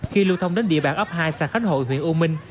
khi lưu thông đến địa bàn ấp hai xã khánh hội huyện u minh